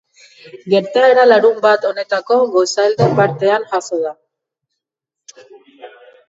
Gertaera larunbat honetako goizalde partean jazo da.